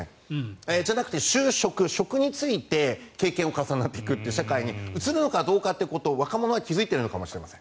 じゃなくて、就職職に就いて経験を重ねていくという社会に移るのかってことを若者は気付いているのかもしれない。